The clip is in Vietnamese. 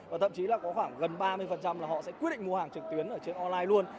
và thậm chí là có khoảng gần ba mươi là họ sẽ quyết định mua hàng trực tuyến ở trên online luôn